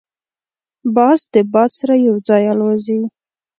باز د باد سره یو ځای الوزي